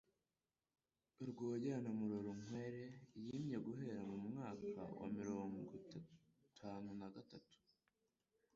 Rwogera na Murorunkwere. Yimye guhera mu mwakawamirongotanunagatatu